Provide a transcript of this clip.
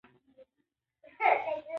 زه د سیو کولو عادت لرم.